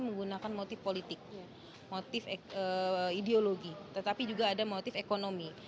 menggunakan motif politik motif ideologi tetapi juga ada motif ekonomi